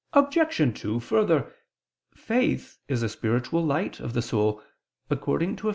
Obj. 2: Further, faith is a spiritual light of the soul, according to Eph.